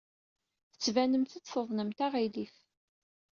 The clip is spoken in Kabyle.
Tettbanemt-d tuḍnemt aɣilif.